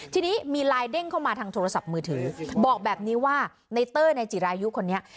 ทีนี้มีไลน์เด้งเข้ามาทางโทรศัพท์มือถือบอกแบบนี้ว่าในเต้ยในจิรายุคนนี้